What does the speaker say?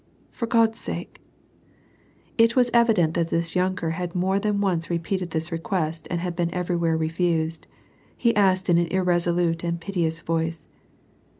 For God's sake !" It was evident that this yunker had more than once repeated this request and been everywhere refused. He asked in aii irresolute and piteous voice.